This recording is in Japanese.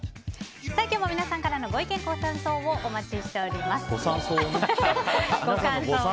今日も皆さんからのご意見ご感想をお待ちしています。